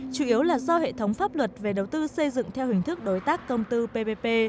chủ yếu là do hệ thống pháp luật về đầu tư xây dựng theo hình thức đối tác công tư ppp